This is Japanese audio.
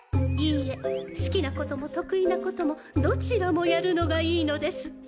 いいえ好きなことも得意なこともどちらもやるのがいいのです。